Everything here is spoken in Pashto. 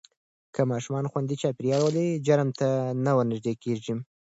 که ماشومان خوندي چاپېریال ولري، جرم ته نه ورنږدې کېږي.